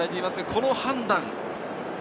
この判断。